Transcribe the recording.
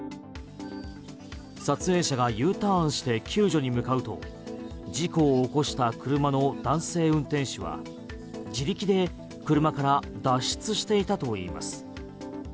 撮影者がＵターンして救助に向かうと事故を起こした車の男性運転手は自力で車から脱出していたといいます。